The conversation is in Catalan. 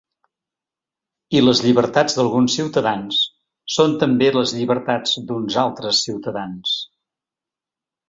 I les llibertats d’alguns ciutadans són també les llibertats d’uns altres ciutadans.